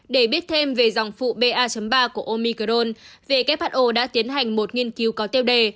để biết thêm về dòng phụ ba ba của omicrone who đã tiến hành một nghiên cứu có tiêu đề